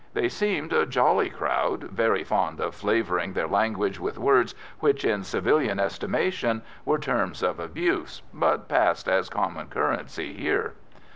They seemed a jolly crowd, very fond of flavouring their language with words which, in civilian estimation, were terms of abuse, but passed as common currency here.